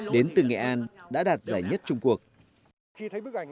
đến từ nghệ an đã đạt giải nhất trung quốc